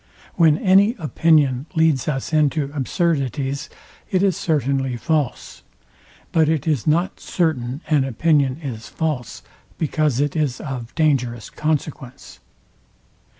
When any opinion leads us into absurdities, it is certainly false; but it is not certain an opinion is false, because it is of dangerous consequence.